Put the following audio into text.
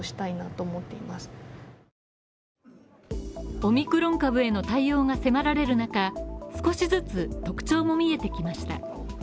オミクロン株への対応が迫られる中、少しずつ特徴も見えてきました。